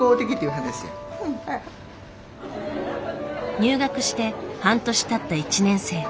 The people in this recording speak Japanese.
入学して半年たった１年生。